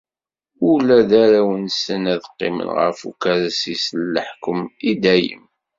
Ula d arraw-nsen ad qqimen ɣef ukersi-k n leḥkem, i dayem.